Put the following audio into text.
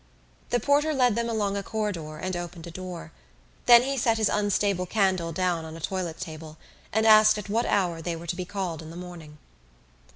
The porter led them along a corridor and opened a door. Then he set his unstable candle down on a toilet table and asked at what hour they were to be called in the morning.